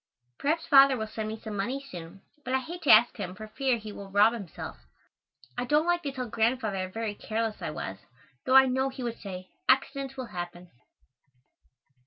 Perhaps Father will send me some money soon, but I hate to ask him for fear he will rob himself. I don't like to tell Grandfather how very careless I was, though I know he would say, "Accidents will happen."